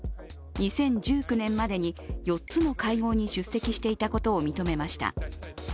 ２０１９年までに、４つの会合に出席していたことを認めました。